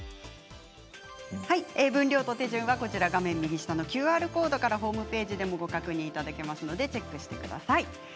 分量と手順は画面右下のＱＲコードからホームページでもご確認いただけますのでチェックしてください。